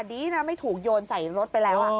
ดีนะไม่ถูกโยนใส่รถไปแล้ว